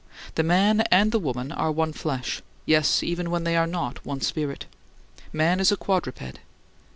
The man and the woman are one flesh yes, even when they are not one spirit. Man is a quadruped.